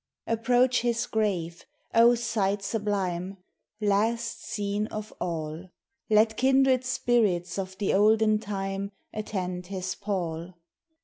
Approach his grave; oh, sight sublime! "Last scene of all." Let kindred spirits of the olden time Attend his pall.